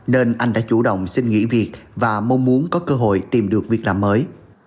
nên anh đã chủ động xin nghỉ việc và mong muốn có cơ hội tìm được việc làm mới